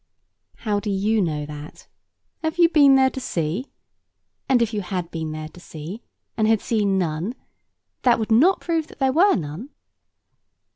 How do you know that? Have you been there to see? And if you had been there to see, and had seen none, that would not prove that there were none.